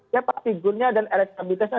ya partigurnya dan elektabilitasnya